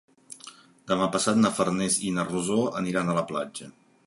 Demà passat na Farners i na Rosó aniran a la platja.